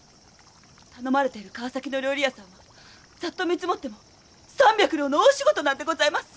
頼まれている川崎の料理屋さんはざっと見積もっても３００両の大仕事なんでございます。